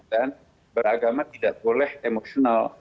dan beragama tidak boleh emosional